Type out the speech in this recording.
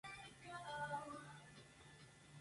Está extendida desde Guinea a Camerún, Fernando Po, y Gabón.